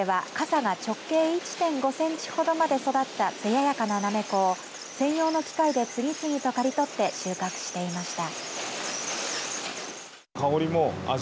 施設ではかさが直径１．５センチほどまで育ったつややかななめこを専用の機械で次々と刈り取って収穫していました。